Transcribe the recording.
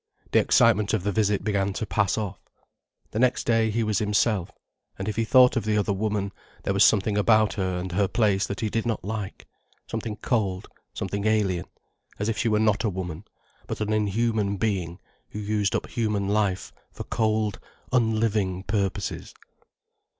The excitement of the visit began to pass off. The next day he was himself, and if he thought of the other woman, there was something about her and her place that he did not like, something cold something alien, as if she were not a woman, but an inhuman being who used up human life for cold, unliving purposes.